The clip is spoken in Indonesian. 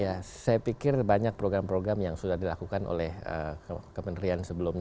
ya saya pikir banyak program program yang sudah dilakukan oleh kementerian sebelumnya